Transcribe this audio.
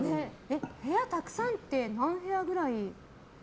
部屋たくさんって何部屋ぐらい？